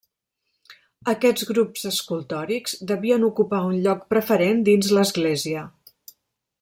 Aquests grups escultòrics devien ocupar un lloc preferent dins l'església.